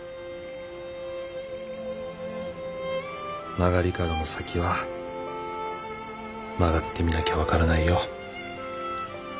曲がり角の先は曲がってみなきゃ分からないよ。